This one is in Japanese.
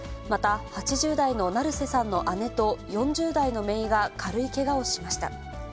また８０代の成瀬さんの姉と、４０代のめいが軽いけがをしました。